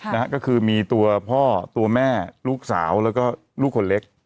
นะฮะก็คือมีตัวพ่อตัวแม่ลูกสาวแล้วก็ลูกคนเล็ก